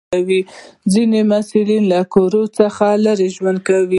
ځینې محصلین له کور څخه لرې ژوند کوي.